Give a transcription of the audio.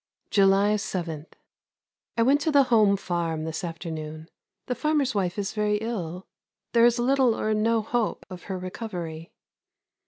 July 7. I went to the home farm this afternoon. The farmer's wife is very ill. There is little or no hope of her recovery.